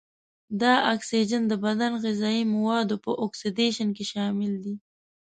دا اکسیجن د بدن غذايي موادو په اکسیدیشن کې شامل دی.